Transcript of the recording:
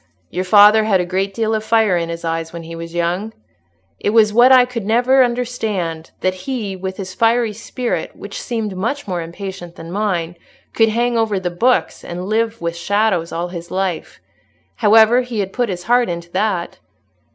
Your father had a great deal of fire in his eyes when he was young. It was what I could never understand, that he, with his fiery spirit, which seemed much more impatient than mine, could hang over the books and live with shadows all his life. However, he had put his heart into that."